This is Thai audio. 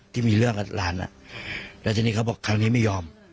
ที่มีเรื่องกับหลานแล้วทีนี้เขาบอกครั้งนี้ไม่ยอม